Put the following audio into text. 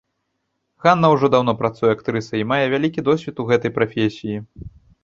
Ганна ўжо даўно працуе актрысай і мае вялікі досвед у гэтай прафесіі.